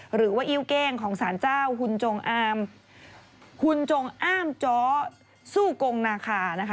หรือว่าอิ้วเก้งของสารเจ้าคุณจงอามคุณจงอ้ามจ้อสู้กงนาคานะคะ